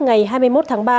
ngày hai mươi một tháng ba